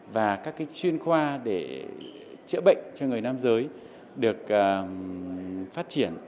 và các chuyên khoa để chữa bệnh cho người nam giới được phát triển